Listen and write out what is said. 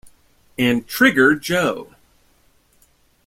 And Trigger Joe!